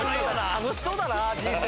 楽しそうだな人生。